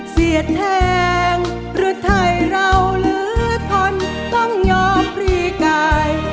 เสียดแทงหรือไทยเราหรือคนต้องยอมปรีกาย